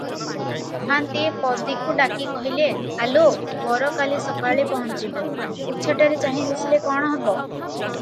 ମହାନ୍ତିଏ ପଦୀକୁ ଡାକି କହିଲେ, "ଆଲୋ! ବର କାଲି ସକାଳେ ପହଞ୍ଚିବ, ତୁଚ୍ଛାଟାରେ ଚାହିଁ ବସିଲେ କଣ ହେବ?